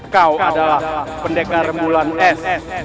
kau adalah pendekar mulan s